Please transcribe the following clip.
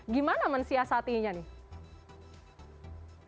gimana mensiasatinya nih